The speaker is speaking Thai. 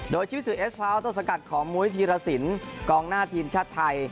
โดยชีวิตสือเอสพาวโต้สกัยของมุยธีระสินกองหน้าทีมชาดไทย